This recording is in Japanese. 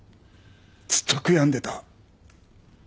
ずっと悔やんでた。